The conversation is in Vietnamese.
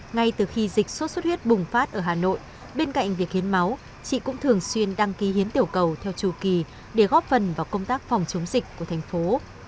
ngay từ khi dịch sốt xuất huyết bùng phát ở hà nội bên cạnh việc hiến máu chị cũng thường xuyên đăng ký hiến tiểu cầu theo chủ kỳ để góp phần vào công tác phòng chống dịch của thành phố